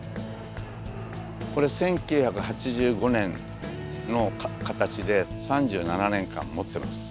これ１９８５年の形で３７年間もってます